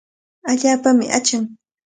Allaapami achan.